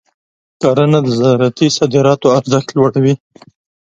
کرنه د زراعتي صادراتو ارزښت لوړوي.